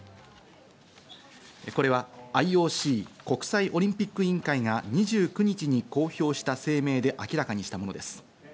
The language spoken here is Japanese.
これはＩＯＣ＝国際オリンピック委員会が２９日に公表した声明で明らかにしたものです。